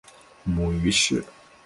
母于氏。